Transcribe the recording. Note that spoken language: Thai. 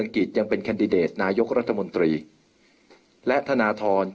เพื่อยุดยั้งการสืบทอดอำนาจของขอสอชอต่อและยังพร้อมจะเป็นนายกรัฐมนตรี